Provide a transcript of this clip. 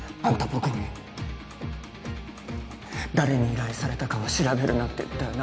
僕に誰に依頼されたかは調べるなって言ったよな？